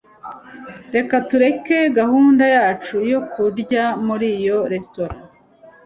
Reka tureke gahunda yacu yo kurya muri iyo resitora.